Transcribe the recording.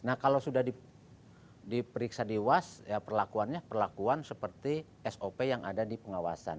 nah kalau sudah diperiksa dewas ya perlakuannya perlakuan seperti sop yang ada di pengawasan